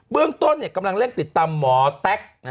เบื้องต้นเนี่ยกำลังติดตามหมอแตค